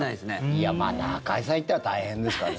いや、まあ中居さんいたら大変ですからね。